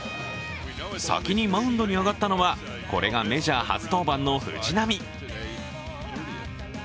先にマウンドに上がったのは、これがメジャー初登板の藤浪。